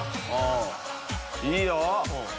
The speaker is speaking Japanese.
いいよ！